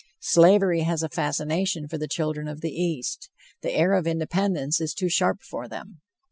Slavery has a fascination for the children of the east. The air of independence is too sharp for them.